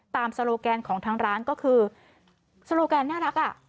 โซโลแกนของทางร้านก็คือโซโลแกนน่ารักอ่ะ